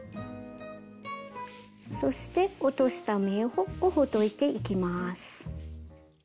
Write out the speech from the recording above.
そして落とした目をほどいていきます。